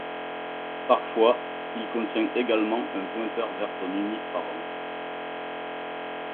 Parfois, il contient également un pointeur vers son unique parent.